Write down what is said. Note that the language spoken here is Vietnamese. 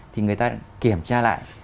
thì người ta kiểm tra lại